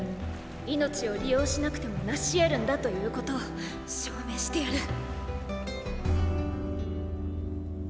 命を利用しなくても成し得るんだということを証明してやる。